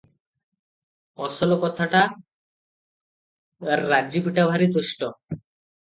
ଅସଲ କଥାଟା, ରାଜୀବଟା ଭାରି ଦୁଷ୍ଟ ।